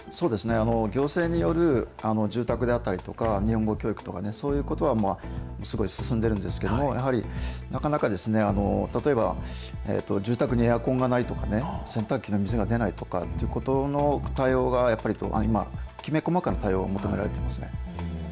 行政による住宅であったりとか、日本語教育とか、そういうことはすごい進んでるんですけれども、やはりなかなか、例えば、住宅にエアコンがないとか、洗濯機の水が出ないとかいうことの対応がやっぱり今、きめ細かな対応を求められていますね。